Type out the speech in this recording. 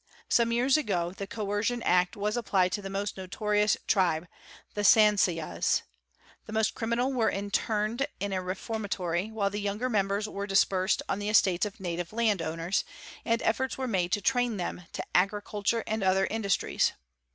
Some years ago the Coercion Act was applied to the most notorious tribe, the Sansiyas. She most criminal were interned in a reformatory, while the younger FEE ME REO RLS lembers were dispersed on the estates of native land owners, and efforts yere made to train them to agriculture and other industries.